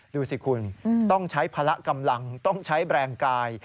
ดูสิคุณต้องใช้พละกำลังต้องใช้แบรนด์กาย